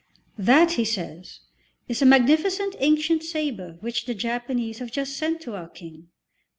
"That," he says, "is a magnificent ancient sabre which the Japanese have just sent to our King."